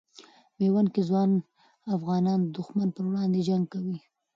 میوند کې ځوان افغانان د دښمن پر وړاندې جنګ کوي.